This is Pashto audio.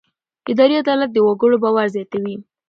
اداري عدالت د وګړو باور زیاتوي.